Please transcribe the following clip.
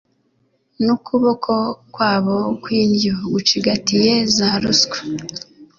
n’ukuboko kwabo kw’indyo gucigatiye za ruswa